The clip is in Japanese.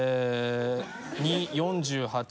２４８。